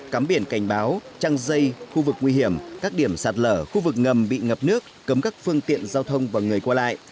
cắm biển cảnh báo trăng dây khu vực nguy hiểm các điểm sạt lở khu vực ngầm bị ngập nước cấm các phương tiện giao thông và người qua lại